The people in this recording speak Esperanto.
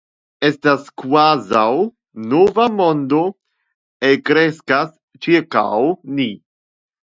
Estas kvazaŭ nova mondo elkreskas ĉirkaŭ ni.